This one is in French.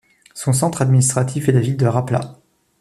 Son centre administratif est la ville de Rapla.